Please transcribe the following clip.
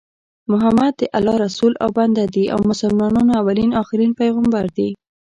محمد د الله رسول او بنده دي او مسلمانانو اولين اخرين پیغمبر دي